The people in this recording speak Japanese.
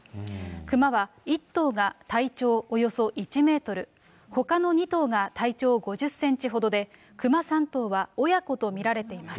クマは１頭が体長およそ１メートル、ほかの２頭が体長５０センチほどで、クマ３頭は親子と見られています。